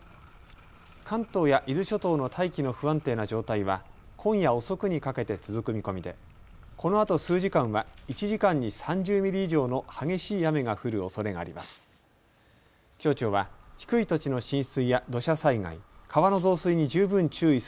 関東や伊豆諸島の大気の不安定な状態は今夜遅くにかけて続く見込みでこのあと数時間は１時間に３０ミリ以上の激しい雨が降るおそれがあります。